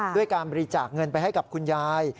ด้วยการบริจาคเงินไปให้กับคุณยาย